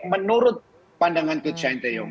menurut pandangan coach sintayong